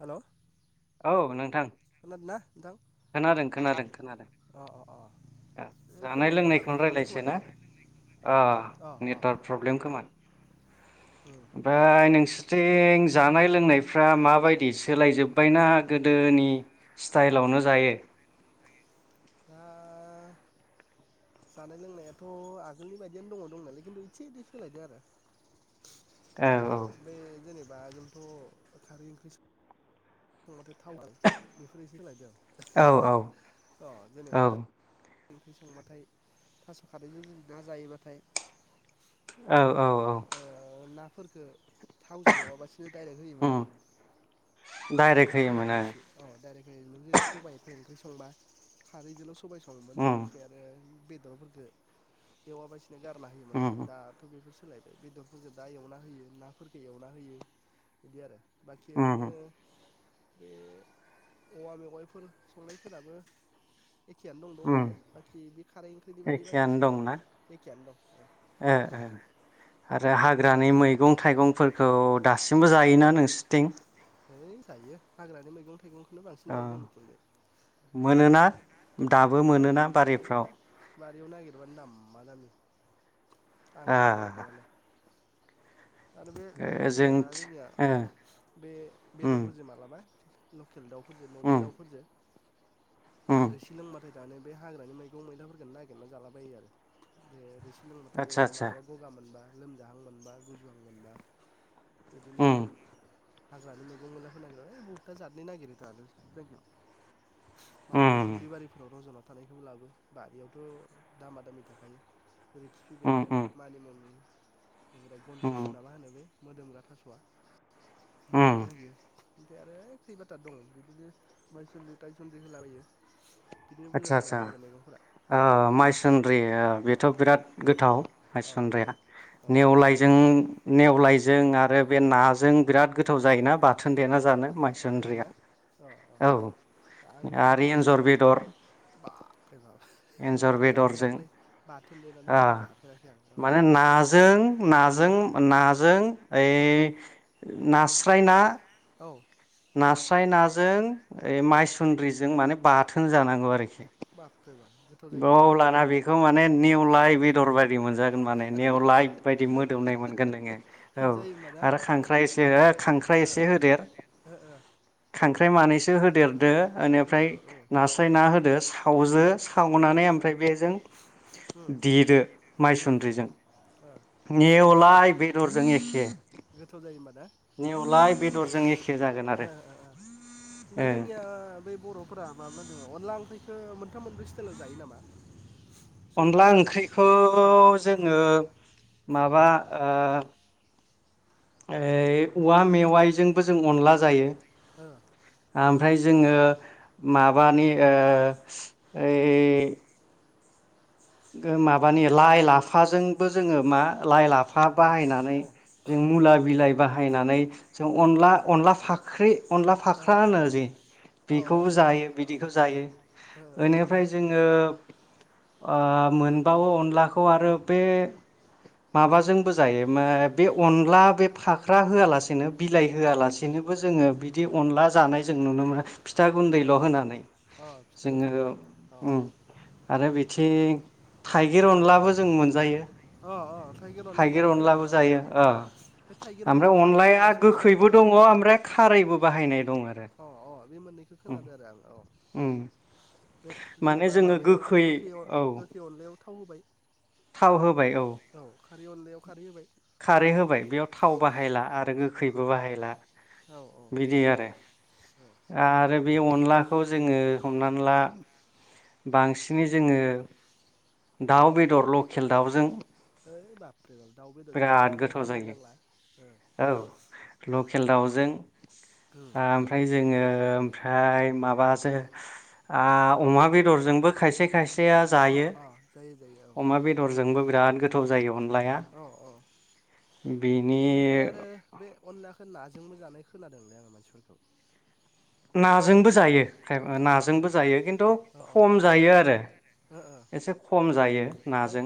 हेल' औ नोंथां खोनादों ना नोंथं खोनादों खोनादों खोनादों अ अ अ ओइ जानाय खोमायाबो आंना लोंनायखौनो दानजानाय रायज्लायसै खोमालै ना अ नेटवार्क प्रब्लेम खोमा। उम ओमफ्राय नोंसोरथिं जानाय लोंनायफ्रा माबायदि सोलाय जोब्बायना गोदोनि स्टाइलावनो जायो? दा जानाय लोंनायाथ आगोलनि बायदियनो दङ दं नायालाय खिन्थु इसे इदिन सोलायदों आरो। औ औ। बे जेनेबा आगोलथ खारै ओंख्रि होम माथो थावाइ बेफोर एसे सोलायदों। औ अ औ जेनेबा औ। ओंख्रि संबाथाय थास खारैजों जुदि ना जायोबाथाय मा औ होनो औ औ ओ ना फोरखो थावजों एवाबासिनो डाइरेक्ट उम होयोबाथाय आरो [unintelligible] डाइरेक्ट होयोमोन ओं। दाइरेख होयोमोन जेरै सबायाइनि ओंख्रि संब्ला खारैजोंल [inaudible] सबाय सङोमोन उम बेनिफ्राय आरो [inaudible] बेदरफोरखौ एवाबासिनो [inaudible] गारना होयोमोन आरो उम दाथ बेफोरसो [inaudible] सोलायबाय बेदरफोरफोरखौ दा एवना होयो नाफोरफोरखौ एवना होयो बिदि आरो। [inaudible] बाखि उम ओरैनो [inaudible] बे औवा मेवाइफोर संनायफोराबो [inaudible] एखेयनो दं उम दंनायालाय बाखि बे खारै ओंख्रिनि बादि बाखि एखेयानो सोलाय दंना एखेयनो दं। [inaudible] ओ ओ आरो हाग्रानि मैगं थाइगंफोरखौ दासिमबो जायोना नोंसोरथिं है जायो हाग्रानि मैगं थाइगं [inaudible] औ मोनोना? दाबो मोनोना बारिफ्राव। बारि इनगिरबानो दामा दामि। [inaudible] आंखाल गोया ओ थारमाने। [inaudible] आरो बे जों जेनेबा जोंनिया ओ बे उम बेदरफोरजों मालाबा। [inaudible] [inaudible] केल दाउफोरजो न'नि दाउफोरजों। [inaudible] ओम। रोसि लोंबाथाय दानो बे हाग्रानि मैगं मैयलाफोरखौनो नागिरना जालाबायो आरो बे थोरसि। [inaudible] लोंबाथाय आतसा जेनेबा आतसा मालाबा गगा मोनबा। [inaudible] लोमजाहां मोनबा गुजुहां मोनबा। [inaudible] बिदिनो। उम [inaudible] हाग्रानि मैगं मैलाफोर नागिरा ओय बहुदथा जाथनि नागिरो दानो जोंनियाव। [inaudible] मालाबा उम दुब्लि बारि। [inaudible] रजना थानायखौबो लाबो बारियावथ' दामा दामि थाखायो। [inaudible] ओरै खिफि उम बेन्दों उम मानिमुनि। [inaudible] बेनिफ्राय उम गनखसु ना मा होनो बे। [inaudible] मोदोमग्रा थास'आ। [inaudible] बिफोरखो उम होयो। [inaudible] ओमफ्राय आरो खैबाथा दं बिदिनो माइसुनद्रि थायसुनद्रि होलाबायो। [inaudible] आदसा आसा जालाङो आरो मैगंफोरा ओ मायेस सों द्रि ओ अ बेथ' बिराद गोथाव अ औ हायसुन्द्राया औ नेवलायजों नेवलायजों आरो बे नाजों बिराद गोथाव जायोना बा थोन देना जानो। माइसुनद्रिया जायोना अ औ आं खिन्थु आरो एन्जर बेदर। बाबरे बाब आं एन्जर बारा बेदरजों जाफेराखैलै बाथोन देनानै ओ बारा जाफेराखै आं औ माने नाजों नाजों नाजों ओइ हो नास स्राइना औ। नास्राय नाजों ओइ हो माइसुन्द्रिजों माने बाथोन जानांगौ आरोखि। बा औ लाना बेखौ माने नेवलाइ बेदर बायदि मोनजागोन माने नेवलाय बायदि मोदोमनाय मोनगोन नोङो हिट औ जायो होमबा ना आरो खांख्राइ एसे हो खांख्राइ एसे होदेर ओ ओ खांख्राइ ओ मानैस सो होदेरदो ओ ओनिफ्राय उम नास्राय ना होदो सावजो अनानै ओमफ्राय बेजों उम देदो उम ओ माइसुन्द्रिजों नेवलाय गोथाव बेदरजों एखे गोथाव जायो होनबा ना नेवलाय बेदरजों एखे जागोन आरो ओ ओ ओमबा ओ जोंनिया बै बर'फ फोरा माबोरै अनला ओंख्रिखौ मोनथाम मोनब्रै स्टाइलाव जायो नामा? सोरबा अनला ओंख्रिखौ अ खा जोङो माबा ओ ओ औवा मेवाइजोंबो जों अनला जायो। ओ आमफ्राय जो जोङो माबानि ओ ओइ ओ माबानि लाइ लाफाजोंबो जोङो मा लाइ अ लाफा अ बाहायनानै औ जों औ मुला बिलाइ बाहायनानै जों अनला अनला फाख्रि अनला अ फाख्रा अ होनो जे औ औ बेखौबो अनला जायो फाख्रिया औ बिदिखौ ओ जायो ओनिफ्राय जोङो ओ मोनबावो अनलाखौ आरो बे माबाजोंबो जायो मो बे ओ अनला बे फाख्रा होआलासेनो बिलाइ ओ होआलासेनोबो जोङो बि दि अनला जानाय जों नुनो मोना फिथा औ गुन्दैल' औ होनानै अ फिथा जोङो गुन्दै होबाय औ उम आरो बि [unintelligible] थाइगिर ओ अनलाबो जों मोनजायो। अ थाइगिर अनला जानाय अनलाबो खोनादोंर' जायो आङो औ ओ बे थाइगिर ओमफ्राय अनलायाव खारै अनलाया होयालासिनो सङो गोखैबो नामा दङ ओमफ्राय खारैबो बाहायनाय दं आरो अ अ बे मोननैखौ उम खोनादो आरो आं औ उम बे माने जेनेबा जोङो माबायाव गोखै गोखैयाव औ गोखै अनलायाव थाव होबाय। थाव होबाय औ खारै अनलायाव खारै होबाय खारै होबाय बेयाव थाव हा बाहायला आरो उम उम गोखैबो बाहायला औ बिदि आरो ओ आरो बे अनलाखौ जोङो हमनानै ला बांसिनै जोङो दाउ बेदर लखेल दाउजों है बापरे बाप दाउ बेदरजोंबाथ' बिराद आरो गोथाव जायो बुंलायनांला [inaudible] औ लकेल दाउजों उम ओमफ्राय जोङो फ्राय माबासो आ अमा बे दरजोंबो खायसे खाइसेया अ जायो अ जायो जायो औ अमा बेदरजोंबो बे [unintelligible] गोथाव जायो हन औ औ बिनि ओमफ्राय आरो बे अनलाखो नाज जोंबो जानाय खोनादोंलै आङो मानसिफोरखौ। नाजोंबो जायो [unintelligible] अ अ नाजोंबो जायो खिन्थु अ ओ खम जायो आरो ओ एसे खम जायो ओइ नाजों।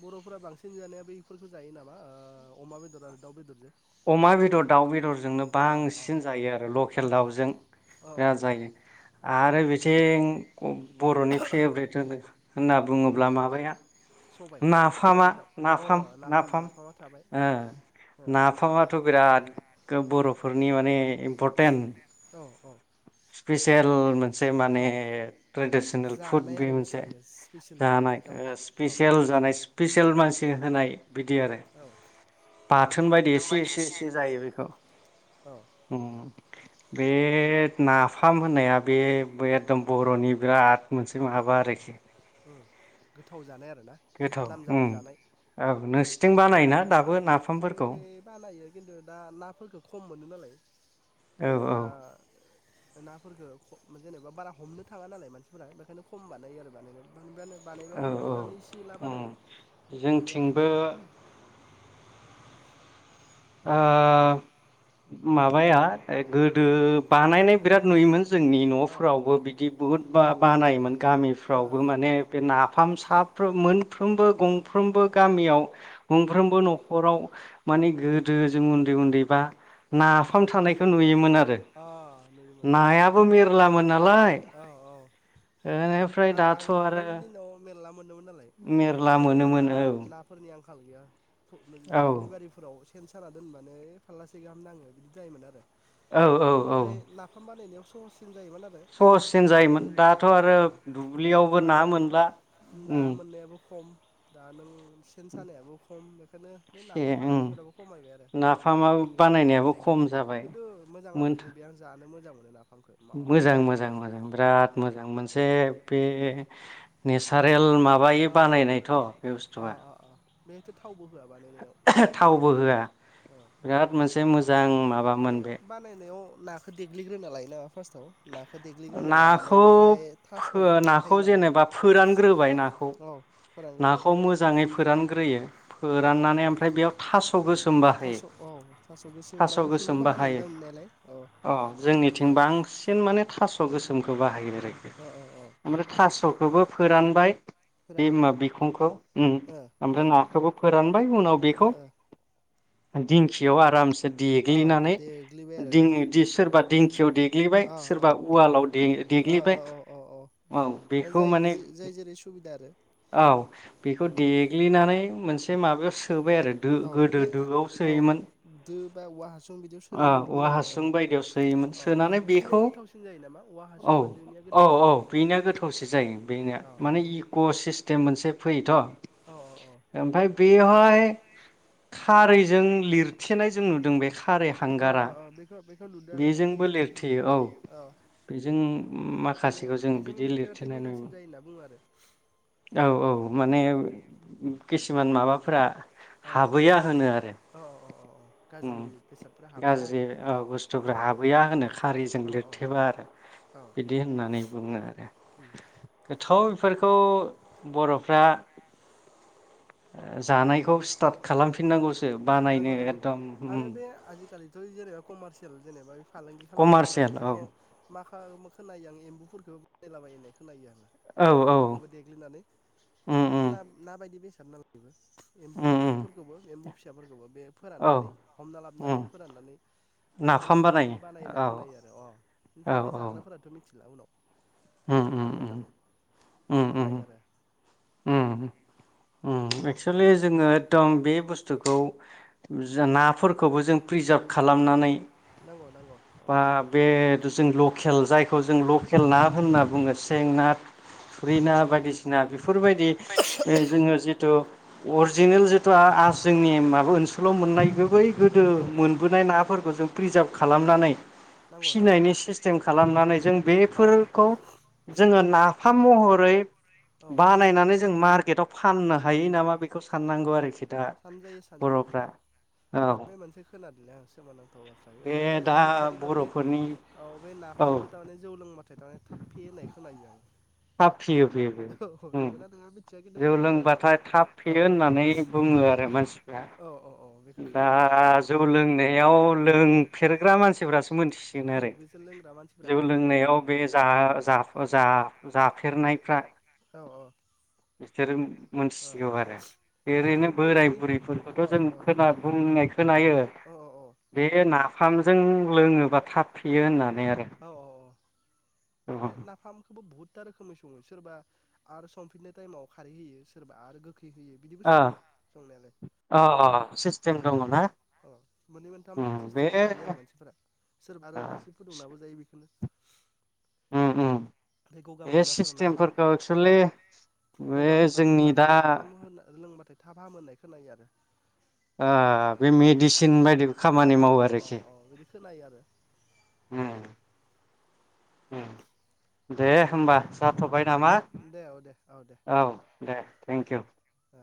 बर'फोरा बांसिन जानाया बैफोरखौ जायो नामा ओ अमा बेदर आरो दाउ बेदरजों। अमा बेदर दाउ बेदरजोंनो अ अ बांसिन जायो आरो ओ लखेल दाउजों ओ औ [unintelligible] जायो आरो बेथिं [unintelligible] बर'नि फेभरेट होनो होनना बुङोब्ला उम माबाया सबाय नाफामा सबायजों दाउ नाफाम अ नाफाम नाफामा थाबाय अ ओ नाफामाथ' बिराद गो बर'फो फोरनि माने इम्पर्टेन्ट। औ औ स्पेसियेल मोनसे माने अ ट्रेडिसनेल फुड जानाय बे आरो मोनसे बुस्थुआ स्पेसियेल दानाय जानाय ओ थारमाने औ स्पेसियेल जानाय स्पेसियेल मानसि [unintelligible] होनाय बिदि आरो औ बाथोन बायदि एसे एसे एसे जायो बेखौ औ उम। बे नाफाम होननाया बे [unintelligible] बर'नि बिराद मोनसे माबा आरोखि। उम गोथाव जानाय आरो ना गोथाव नाम जादा उम जानाय औ नोंसिथिं बानायोना दाबो [inaudible] नाफामफोरखौ जोंनिथि बानायो किन्तु दा नाफोरखो खम मोनो नालाय औ औ जेनेबा नाफोरखो [unintelligible] जेनेबा बारा हमनो थाङा नालाय मानसिफोरा बेखायनो खम बानायो आरो [unintelligible] [unintelligible] बानायबाबो औ न'आव औ जानो इसे एला उम बानायो बिदि आरो [inaudible] जोंथिंबो ओ माबाया गोदो बानायनाय बिराद नुयोमोन ज जोंनि औ ओ न'फ्रावबो बिदि बुद बा बानायोमोन। ओ गामिफ्रावबो ओ माने बे नाफाम साफ्रोम मोनफ्रोमबो गंफ्रोमबो गामियाव उम गंफ्रोमबो न'खराव मानि गोर गोदो जों उन्दै उन्दै बा ओ ओ नाफाम थानायखौ नुयोमोन आरो अ नुयोमोन नुयोमोन उम नायाबो मेरलामोन नालाय ओ औ औ बेनिफ्राय दाथ' आरो [unintelligible] नुयोमोन नालाय मेरला जेनेबा ना मोनोमोन औ ना फोरनि आं [unintelligible] आंखाल गैया। औ दुब्लि बारिफोराव सेन साना दोनबानो फाललासे गाहाम नाङो बिदि जायोमोन आरो औ होमबाथाय नाफाम बानायनायाव स'सिन स'हाससिन जायोमोन दाथ' औ आरो दाथ' दुब्लियावबो ना आरो मोनला ना उम मोननायाबो खम दा नों सेन सानायाबो खम बेखौनो बे एसे नाफाम ओं बालायनायफोरबो खमायबाय आरो नाफामा औ बानायनायाबो औ खम जाबाय खिन्थु मोजां आदार मोनथ दे आं जा मोजां मोनोना मोजां मोजां मोजां बिराद मोजां मोनसे औ बे नेसारेल माबायै औ बानायनायथ' बे बुस्थुआ। बेनोसो थावबो हा बानायनायाव थावबो होआ ओ। बिराद मोनसे मोजां माबामोन बे एव नाखौ देग्लिग्रोना लायो ना फार्स्टआव? नाखौ देग्लिग्रोना लानानै नाखौ बेहाय फो थास'बो नाखौ देफायो नामा जेनेबा फोरानग्रोबाय औ नाखौ औ। फोरानग्रोबाय नाखौ मोजाङै फोरानग्रोयो ओ फोराननानै आमफ्राय बेयाव थास' खौ गोसोम बाहायो थास' औ थास' गोसोम बा थास' गुफुरबो गोसोम बाहायनाय बाहायो नुदां नुनायालाय औ अ औ जोंनिथिं बांसिन माने थास' गोसोमखौ बाहायो औ औ औ आमफ्राय थास' बोबो फोरानबाय फोरानबाय बिखं'खो उ ओ आमफ्राय ओ नाखौबो फोरानबाय उनाव ओ बेखौ ओ दिंखियाव आरामस अ देग्लिनानै देग्लिबाय आरो दिङदि सोरबा थियाव देग्लिबाय अ अ सोरबा उवालाव अ दे-देग्लिबाय अ अ अ औ दा बेखौ जाय माने जाय जेरै सुबिदा आरो औ बेखौ औ बे देग्लिनानै मोनस ए माबायाव सोबाय आरो दो औ गोदो बे दोआव औ सोयोमोन, दो बा औवा हासुं बिदियाव औ सोनाय नुदोंमोन औवा आङो हासुं बायदियाव सोयोमोन औ अ सोनानै बेफोरनिया बेखौ गोथावसिन जायो नामा औवा औ हासुं बा दोनिया औ गोथावसिन औ जायो खोमा बेनिया गोथावसो जायो बेनिया औ औ माने इक'स सिस्टेम मोनसे फैयोथ' औ औ ओमफाय बेअ' अ'आय खारैजों लिरथेनाय जों नुदों बे खारै औ अ हांगारा, अ अ बेखौ बेखौ नुदों आरो बेजोंबो लिरथेयो औ बेजों माने माखासेखौ जों बेजों बिदि लिरथेबाथाय लिरथेनाय मोजांसिन नुयोमोन। जायो होनना बुङो आरो औ औ माने किसुमान माबाफोरा औ हाबहैया होनो आरो अ अ गाज्रि बेसादफोरा हाबैला गाज्रि आरो बुस्थुफ हाबहैया होनो खारिजों औ औ लिरथेबा आरो औ बिदि होननानै बुङो आरो उम गोथौ बेफोरखौ। बरफ्रा। जानायखौ स्टार्ट खालामफिननांगौसो। बानायनो नांगौ नांगौ एकदम आरो उम बे आजिखालिथ जेनेबा कमार्सियेल जेनेबा फालांगि खालामग्राफोरा कमारसियेल औ बिसोरखौ मा। हा खोनायो आं एम्बुफोरखौबो बानायलाबायो होननाय खोनायो आङो। औ औ एम्बुफोरखौबो देग्लिनानै उम जिहेथु उम ना ना बायदि बेसे [inaudible] [unintelligible] खारना लायोबो [inaudible] [unintelligible] उम उम एम्बुफोरखौबो एम्बु फिसाफोर जाबा। बे औ फोराननानै हमना लाबानै उम फोराननानै नाफाम नाफामखौ बेजोंबो बानायो बानायनाय औ खोनायो आरो ओमफ्राय बे जाग्राफोराथ मिथिला उनाव। उ बिसोर फानबाय नालाय बिदि उ उ। खोनायो आरो उ उ एक्सलि जोङो एकदम बे बुस्थुखौ नाफोरखौ खौबो जोङो फ्रिजाव खालामनानै नांगौ नांगौ औ बा बे लकेल जायखौ जों लकेल ना होनना बुङो सें ना। औ थुरिना बायदिसिना बेफोरबायदि। बे जोङो जिथु अरिजिनेल जिथु जोंनि माबा ओनसोलाव मोननाय बै गोदो औ औ मोनबोनाय नाफोरखौ जों। प्रिजार्भ खालामनानै। नांगौ नांगौ फिनायनि सिस्टेम खालामनानै जों औ बेफोरखौ जोङो ना हा महरै औ बानायनानै जों मार्केटआव फाननो हायो नामा बेखौ साननांगौ आरोखि। दा सानजायो सानजायो बर'फ्रा औ औ आरो बे मोनसे खोनादों [inaudible] गलसो मानां [inaudible] बे नंगौ ना दा नङा बे बर'फोरनि औ बे औ नाफामजों थारमाने जौ लोंबाथाय थारमाने थाब फेयो होननाय खोनायो। [inaudible] थाब फेयो आं औ फेयो नोंगौ ना नोङा मिथिया खिन्थु जौ खोनादों आरो लोंबाथाय थाब फेयो आं होननानै बुङो औ आरो। मानसिफ्रा औ औ औ बेखौ दा खोनादों आरो जौ आङो लोंनायाव। मानसि मोनथिसिगोन औ आरो बिसोर लोंग्रा मानसिफोरा जौ खोन्थायो नालाय लोंनायाव बे जा औ जा जा। हाफेरनायफ्रा। औ औ बिसोरो। औ मोनथिसिगौ आरो ओमफ्राय आरो ओरैनो बे बोराय बर'नि बुरैफोरखौथ' औ जों खोना बुंनाय खोनायो। औ औ बे नाफामजों लोङोबा थाब फेयो होनना औ औ औ बे नाफामखोबो बुहुत। [inaudible] था रोखोमै सङो सोरबा आरो संफिननाय टाइमाव खारै होयो सोरबा आरो गो [inaudible] खै होयो बिदिबो अ सङो संनायालाय अ अ सिस्टेम अ दङ ना अ मोननै मोनथाम उम बे सिसटिमाव जायो आरो मानसिफोरा सोर ओ आरो रोसि फुदुंनाबो। [inaudible] [unintelligible] उम उम। गगा बे मोनबाफोर नाफाम सिस्टेमफोरखौ औ एक्सुलि बे गगा मोनबाफोर जोंनि दा नाफाम साफाम होन लोंबाथाय थाब फाहाम मोननाय खोनायो आरो। [inaudible] बे औ मेडिसिन बायदि खामानि औ मावो औ औ आरोखि। औ बिदि खोनायो आरो उम दे होमबा सार। थ'बाय नामा दे औ दे दे औ ओ दे थेंकिउ। ओ